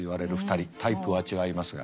タイプは違いますが。